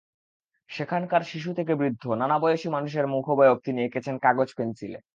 সেখানকার শিশু থেকে বৃদ্ধ নানা বয়সী মানুষের মুখাবয়ব তিনি এঁকেছেন কাগজ-পেনসিলে।